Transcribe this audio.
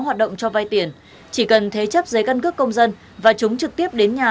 hoạt động cho vay tiền chỉ cần thế chấp giấy căn cước công dân và chúng trực tiếp đến nhà